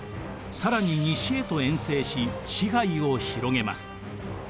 更に西へと遠征し支配を広げます。